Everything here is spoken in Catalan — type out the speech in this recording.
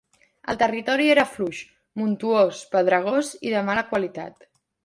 El territori era fluix, montuós, pedregós i de mala qualitat.